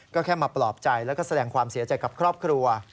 ก็แค่มาปลอบใจแล้วก็แสดงความเสียใจกับครอบครัว